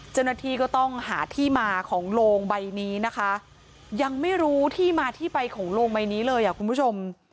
เจ้าหน้าที่ก็ต้องหาที่มาของโลงใบนี้นะคะยังไม่รู้ที่มาที่ไปของโรงใบนี้เลยอ่ะคุณผู้ชม